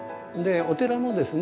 お寺もですね